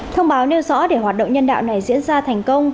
thông báo nêu rõ để hoạt động nhân đạo này diễn ra thành công